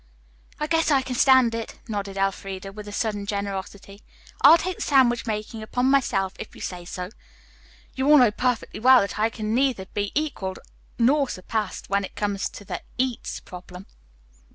"I guess I can stand it," nodded Elfreda with a sudden generosity. "I'll take the sandwich making upon myself, if you say so. You all know perfectly well that I can neither be equalled nor surpassed when it comes to the 'eats' problem.